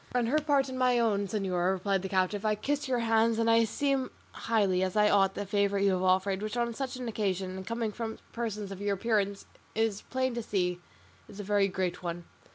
"On her part and my own, señora," replied the captive, "I kiss your hands, and I esteem highly, as I ought, the favour you have offered, which, on such an occasion and coming from persons of your appearance, is, it is plain to see, a very great one."